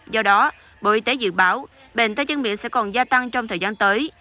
do đó bộ y tế dự báo bệnh tay chân miệng sẽ còn gia tăng trong thời gian tới